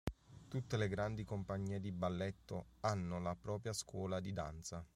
Tutte le grandi compagnie di balletto hanno la propria scuola di danza.